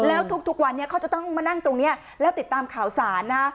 แล้วทุกวันนี้เขาจะต้องมานั่งตรงนี้แล้วติดตามข่าวสารนะ